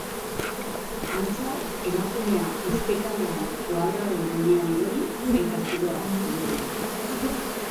Antza, emakumea ustekabean koadroaren gainean erori eta zuloa egin dio.